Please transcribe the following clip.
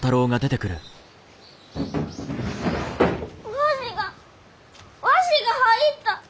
わしがわしが入った！